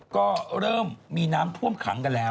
ก็เริ่มมีน้ำท่วมขังกันแล้ว